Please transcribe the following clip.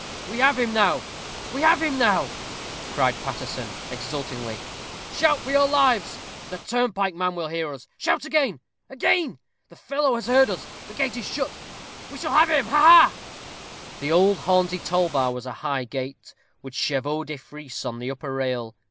"We have him now we have him now!" cried Paterson, exultingly. "Shout for your lives. The turnpike man will hear us. Shout again again! The fellow has heard it. The gate is shut. We have him. Ha, ha!" The old Hornsey toll bar was a high gate, with chevaux de frise on the upper rail.